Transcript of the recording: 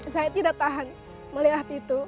saya tidak tahan melihat itu